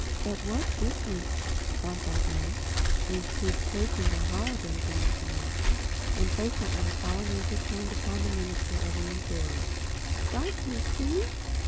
"But what difference," Bumpo asked, "is his taking a holiday going to make?" Impatiently Polynesia turned upon the Minister of the Interior. "Don't you see?